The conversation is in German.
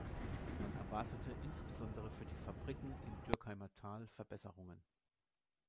Man erwartete insbesondere für die Fabriken im Dürkheimer Tal Verbesserungen.